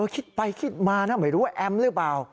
คิดไปคิดมานะไม่รู้ว่าแอมหรือเปล่า